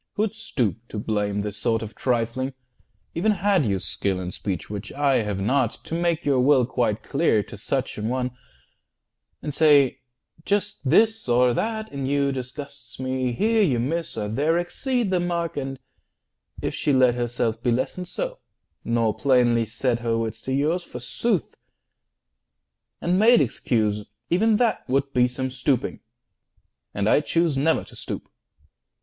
Who'd stoop to blame This sort of trifling? Even had you skill In speech (which I have not) to make your will Quite clear to such an one, and say, "Just this Or that in you disgusts me; here you miss, Or there exceed the mark" and if she let Herself be lessoned so, nor plainly set 40 Her wits to yours, forsooth, and made excuse, E'en that would be some stooping; and I choose Never to stoop.